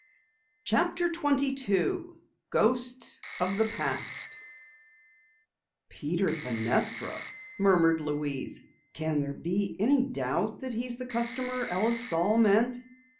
CHAPTER 22 GHOSTS OF THE PAST "Peter Fenestra," murmured Louise. "Can there be any doubt that he is the customer Ellis Saal meant?"